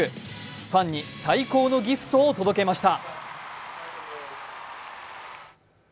ファンに最高のギフトを届けました。